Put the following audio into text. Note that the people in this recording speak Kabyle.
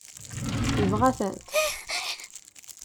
Yebɣa-tent?